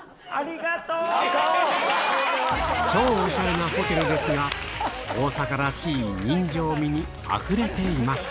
超オシャレなホテルですが大阪らしい人情味にあふれていました